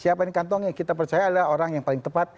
siapapun yang di kantongnya kita percaya adalah orang yang paling tepat